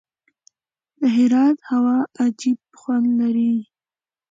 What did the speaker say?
د هرات هوا عجیب خوند لري.